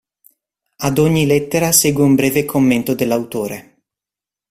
Ad ogni lettera segue un breve commento dell'autore.